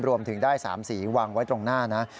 รวมถึงได้๓สีวางไว้ตรงหน้านะ